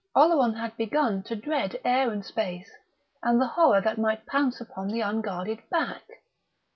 Oleron had begun to dread air and space and the horror that might pounce upon the unguarded back.